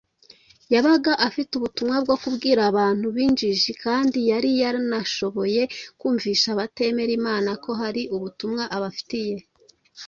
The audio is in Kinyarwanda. yabaga afite ubutumwa bwo kubwira abantu b’injiji kandi yari yaranashoboye kumvisha abatemera imana ko hari ubutumwa abafitiye